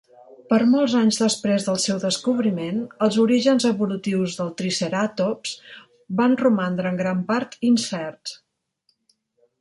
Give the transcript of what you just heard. Per molts anys després del seu descobriment, els orígens evolutius del "Triceratops" van romandre en gran part incerts.